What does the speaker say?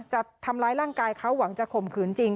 จะทำร้ายร่างกายเขาหวังจะข่มขืนจริง